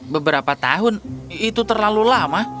beberapa tahun itu terlalu lama